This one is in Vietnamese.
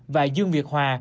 và dương việt hòa